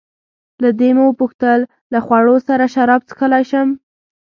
له دې مې وپوښتل: له خوړو سره شراب څښلای شم؟